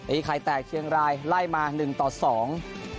ไข่แตกเชียงรายไล่มาหนึ่งต่อสอง